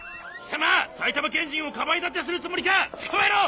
埼玉県人をかばい立てするつもりか！？捕まえろ！